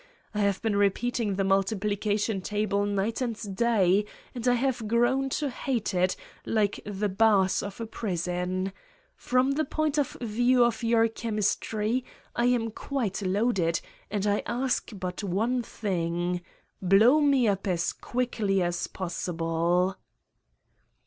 I have been repeating the multiplication table night and day and I have grown to hate it like the bars of a prison. From the point of view of your chemistry, I am quite loaded and I ask but one thing: blow me up as quickly as possible!"